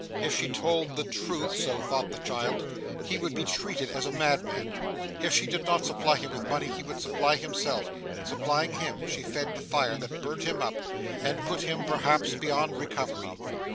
If she told the truth (so thought the child) he would be treated as a madman; if she did not supply him with money, he would supply himself; supplying him, she fed the fire that burnt him up, and put him perhaps beyond recovery.